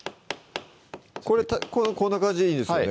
これこんな感じでいいんですよね？